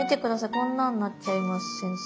こんなんなっちゃいます先生。